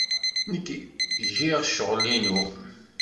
Nekk giɣ ccɣel-inu.